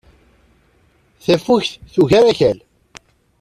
Tafukt tugar Akal.